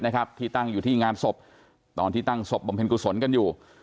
นะครับที่ตั้งอยู่ที่งานศพตอนที่ตั้งศพบำเพ็ญกุศลกันอยู่